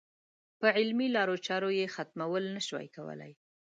په علمي لارو چارو یې ختمول نه شوای کولای.